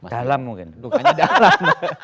dalam mungkin lukanya dalam